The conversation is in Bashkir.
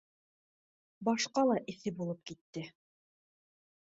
Башҡа ла эҫе булып китте.